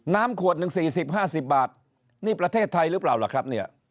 ขวดหนึ่ง๔๐๕๐บาทนี่ประเทศไทยหรือเปล่าล่ะครับเนี่ย